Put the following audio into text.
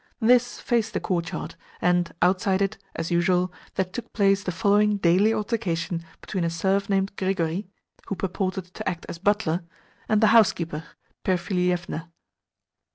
This faced the courtyard, and outside it, as usual, there took place the following daily altercation between a serf named Grigory (who purported to act as butler) and the housekeeper, Perfilievna.